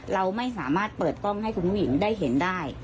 เราไม่สามารถเปิดกล้องให้คุณผู้หญิงได้เห็นได้